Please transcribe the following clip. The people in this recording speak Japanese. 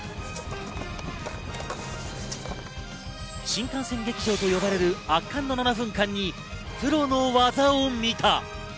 新幹線劇場と呼ばれる圧巻の７分間にプロの技を見た。